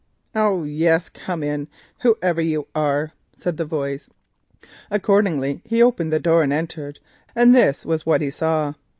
"Oh, yes, come in, whoever you are," said the voice. Accordingly he opened the door and entered, and this was what he saw.